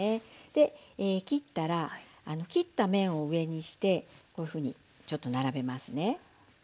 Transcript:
で切ったら切った面を上にしてこういうふうに並べますね。